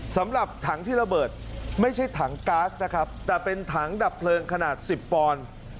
สำหรับถังที่ระเบิดไม่ใช่ถังก๊าซนะครับแต่เป็นถังดับเพลิงขนาด๑๐ปอนด์